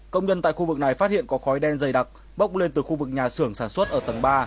công nhân tại khu vực này phát hiện có khói đen dày đặc bốc lên từ khu vực nhà xưởng sản xuất ở tầng ba